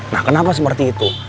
nah kenapa seperti itu